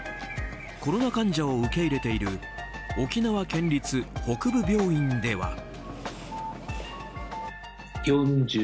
コロナ患者を受け入れている沖縄県立北部病院では。